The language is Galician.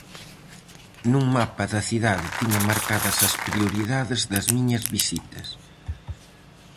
Nun mapa da cidade tiña marcadas as prioridades das miñas visitas.